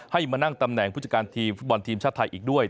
ให้มานั่งตำแหน่งผู้จัดการทีมฟุตบอลทีมชาติไทยอีกด้วย